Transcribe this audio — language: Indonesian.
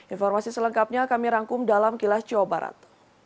informasi selengkapnya kami rangkum dalam kilas jawa barat